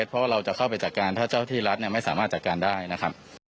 เพราะว่าเราจะเข้าไปจัดการถ้าเจ้าที่รัฐไม่สามารถจัดการได้นะครับ